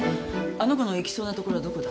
あの子の行きそうな所はどこだ？